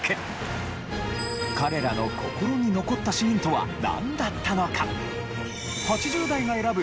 彼らの心に残ったシーンとはなんだったのか？